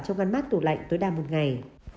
trong ngăn mát tủ lạnh tối đa một ngày